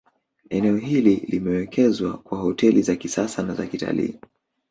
Eneo hili limewekezwa kwa hoteli za kisasa na zakitalii